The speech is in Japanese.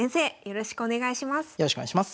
よろしくお願いします。